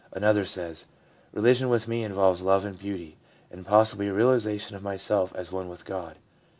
Another says :' Religion with me involves love and beauty, and possibly a realisation of myself as one with God.'